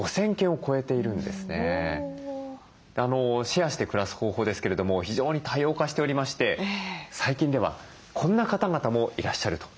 シェアして暮らす方法ですけれども非常に多様化しておりまして最近ではこんな方々もいらっしゃるということなんです。